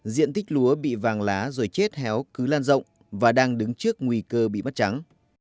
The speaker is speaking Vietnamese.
diện tích lúa bị vàng lá rồi chết héo cứ lan rộng và đang đứng trước nguy cơ bị mất trắng